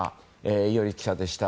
伊従記者でした。